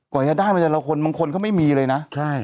กว่าจะได้มาแต่ละคนบางคนเขาไม่มีเลยนะ